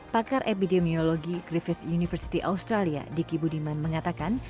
pakar epidemiologi griffith university australia diki budiman mengatakan